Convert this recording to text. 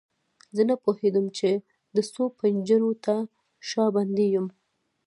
زه نه پوهیدم چې د څو پنجرو تر شا بندي یم.